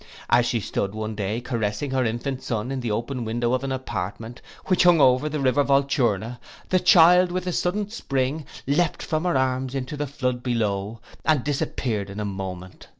As she stood one day caressing her infant son in the open window of an apartment, which hung over the river Volturna, the child, with a sudden spring, leaped from her arms into the flood below, and disappeared in a moment.